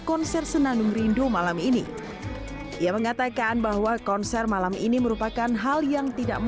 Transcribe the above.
konser senandung rindu malam ini ia mengatakan bahwa konser malam ini merupakan hal yang tidak